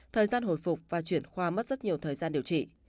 thời gian hồi phục và chuyển khoa mất rất nhiều thời gian điều trị